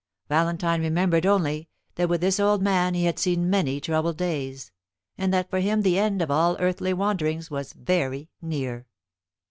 Valentine remembered only that with this old man he had seen many troubled days; and that for him the end of all earthly wanderings was very near.